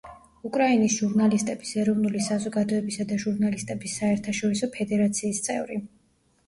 უკრაინის ჟურნალისტების ეროვნული საზოგადოებისა და ჟურნალისტების საერთაშორისო ფედერაციის წევრი.